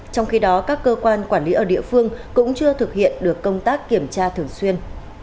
trong khi đó các cơ quan quản lý ở địa phương cũng chưa thực hiện được công tác kiểm tra thường xuyên